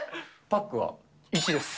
パックは？